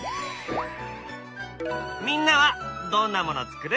みんなはどんなもの作る？